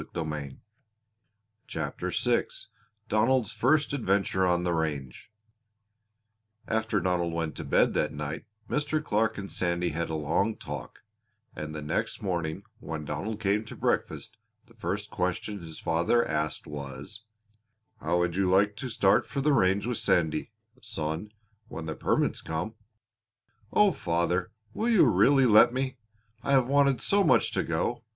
CHAPTER VI DONALD'S FIRST ADVENTURE ON THE RANGE After Donald went to bed that night Mr. Clark and Sandy had a long talk and the next morning when Donald came to breakfast the first question his father asked was: "How would you like to start for the range with Sandy, son, when the permits come?" "Oh, father! Will you really let me? I have wanted so much to go!